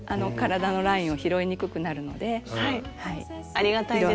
ありがたいです。